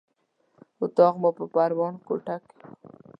اطاق مو په پروان کارته کې و.